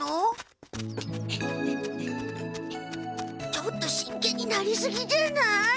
ちょっと真剣になりすぎじゃない？